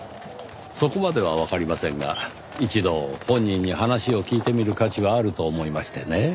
そこまではわかりませんが一度本人に話を聞いてみる価値はあると思いましてね。